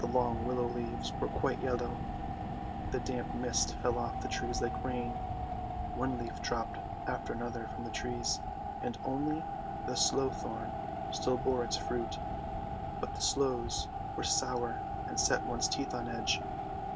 The long willow leaves were quite yellow. The damp mist fell off the trees like rain, one leaf THE SNOW QUEEN 199 dropped after another from the trees, and only the sloe thorn still bore its fruit, but the sloes were sour and set one's teeth on edge.